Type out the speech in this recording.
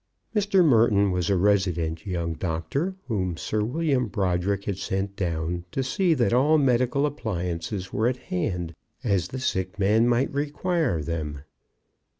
Mr. Merton was a resident young doctor, whom Sir William Brodrick had sent down to see that all medical appliances were at hand as the sick man might require them.